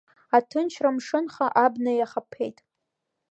Аҭынчра мшынха абна иахаԥеит.